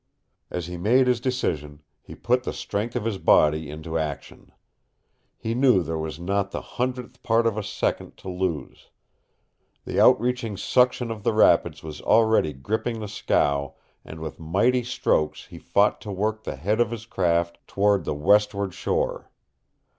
As he made his decision, he put the strength of his body into action. He knew there was not the hundredth part of a second to lose. The outreaching suction of the rapids was already gripping the scow, and with mighty strokes he fought to work the head of his craft toward the westward shore.